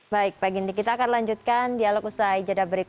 baik pak gindi kita akan lanjutkan dialog usai